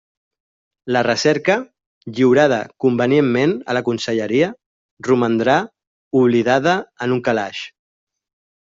La recerca, lliurada convenientment a la Conselleria, romandrà oblidada en un calaix.